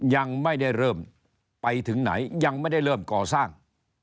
ยังไม่ได้เริ่มไปถึงไหนยังไม่ได้เริ่มก่อสร้าง